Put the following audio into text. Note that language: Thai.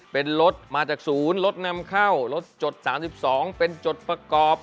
เป็นรถมาจากศูนย์รถนำเข้ารถจด๓๒เป็นจดประกอบ